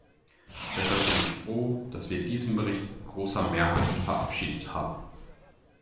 Deshalb bin ich froh, dass wir diesen Bericht mit großer Mehrheit verabschiedet haben.